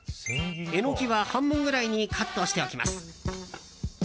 エノキは半分くらいにカットしておきます。